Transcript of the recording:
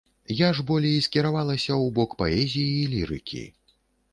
Я ж болей скіравалася ў бок паэзіі і лірыкі.